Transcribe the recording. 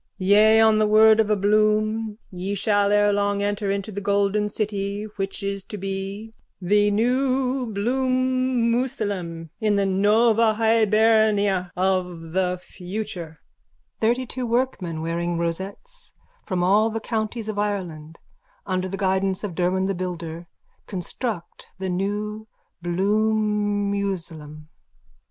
Yea, on the word of a Bloom, ye shall ere long enter into the golden city which is to be, the new Bloomusalem in the Nova Hibernia of the future. _(Thirtytwo workmen, wearing rosettes, from all the counties of Ireland, under the guidance of Derwan the builder, construct the new Bloomusalem.